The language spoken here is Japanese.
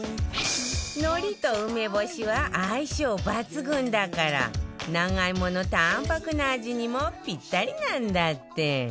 海苔と梅干しは相性抜群だから長芋の淡泊な味にもピッタリなんだって